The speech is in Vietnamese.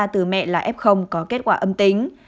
từ mẹ là f có kết quả âm tính